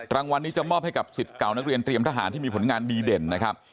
รางวัลนี้จะมอบให้กับสิทธิ์เก่านักเรียนเตรียมทหารที่มีผลงานดีเด่นนะครับ